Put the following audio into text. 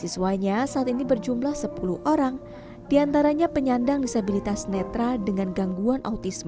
siswanya saat ini berjumlah sepuluh orang diantaranya penyandang disabilitas netra dengan gangguan autisme